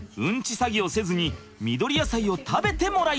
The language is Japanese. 詐欺をせずに緑野菜を食べてもらいたい！